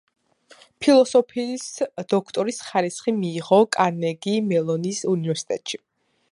ფილოსოფიის დოქტორის ხარისხი მიიღო კარნეგი-მელონის უნივერსიტეტში.